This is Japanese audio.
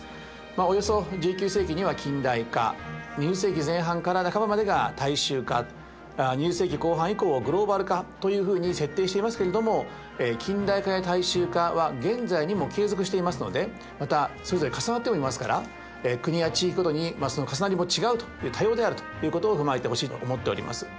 およそ１９世紀には近代化２０世紀前半から半ばまでが大衆化２０世紀後半以降をグローバル化というふうに設定していますけれども近代化や大衆化は現在にも継続していますのでまたそれぞれ重なってもいますから国や地域ごとにその重なりも違うと多様であるということを踏まえてほしいと思っております。